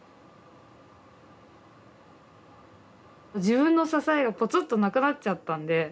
自分の支えがぽつっとなくなっちゃったんで。